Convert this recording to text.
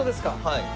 はい。